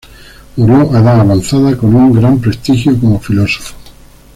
Murió a edad avanzada, con un gran prestigio como filósofo.